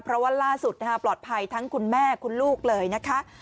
เพราะว่าล่าสุดปลอดภัยทั้งคุณแม่คุณลูกเลยนะคะ